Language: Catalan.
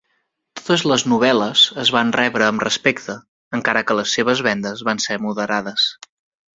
Totes les novel·les es van rebre amb respecte, encara que les seves vendes van ser moderades.